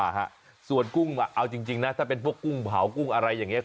ฮะส่วนกุ้งอ่ะเอาจริงนะถ้าเป็นพวกกุ้งเผากุ้งอะไรอย่างเงี้